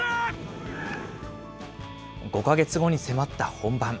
５か月後に迫った本番。